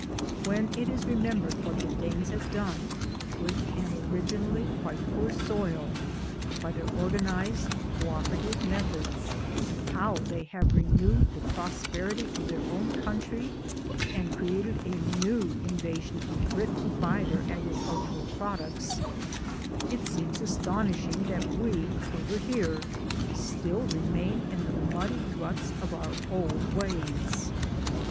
When it is remembered what the Danes have done, with an originally quite poor soil, by their organized co operative methods how they have renewed the prosperity of their own country and created a new invasion of Britain by their agri cultural products it seems astonishing that we over here still remain in the muddy ruts of our old ways.